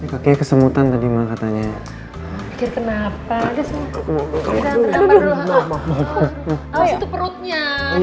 kakek kesemutan tadi mah katanya kenapa